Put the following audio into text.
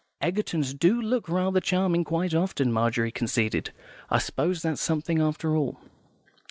"Egertons do look rather charming, quite often," Margery conceded. "I suppose that's something after all."